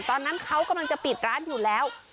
ตอนนั้นเขากำลังจะปิดร้านอยู่แล้ว